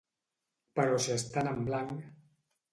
Però si estan en blanc...